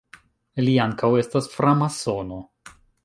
Li ankaŭ estas framasono.